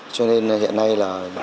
cho nên hiện nay là